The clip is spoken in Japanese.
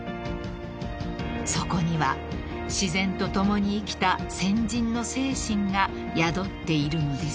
［そこには自然と共に生きた先人の精神が宿っているのです］